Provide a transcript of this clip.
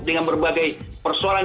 dengan berbagai persoalan